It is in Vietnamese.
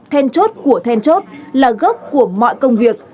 then chốt của then chốt là gốc của mọi công việc